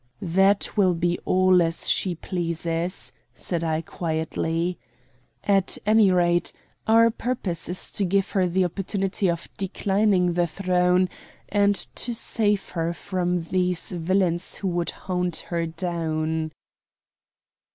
"That will be all as she pleases," said I quietly. "At any rate, our purpose is to give her the opportunity of declining the throne, and to save her from these villains who would hound her down."